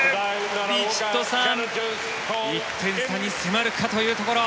ヴィチットサーン１点差に迫るかというところ。